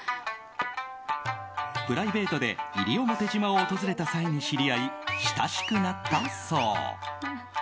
プライベートで西表島を訪れた際に知り合い親しくなったそう。